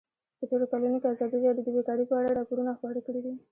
په تېرو کلونو کې ازادي راډیو د بیکاري په اړه راپورونه خپاره کړي دي.